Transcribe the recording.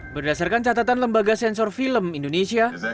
berdasarkan catatan lembaga sensor film indonesia